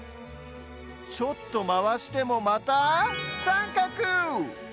ちょっとまわしてもまたさんかく！